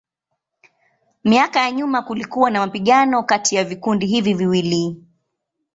Miaka ya nyuma kulikuwa na mapigano kati ya vikundi hivi viwili.